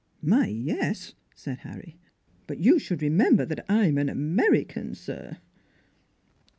"' Yes," said Harry. " But you should remem ber that I'm an American, sir."